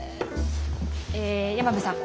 え山辺さん